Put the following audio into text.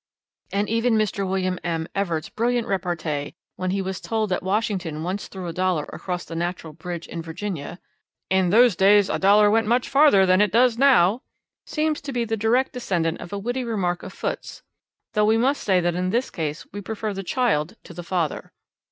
and even Mr. William M. Evart's brilliant repartee when he was told that Washington once threw a dollar across the Natural Bridge in Virginia, 'In those days a dollar went so much farther than it does now!' seems to be the direct descendant of a witty remark of Foote's, though we must say that in this case we prefer the child to the father.